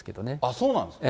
そうなんですね。